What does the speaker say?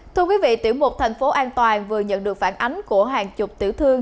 thưa quý vị tiểu mục thành phố an toàn vừa nhận được phản ánh của hàng chục tiểu thương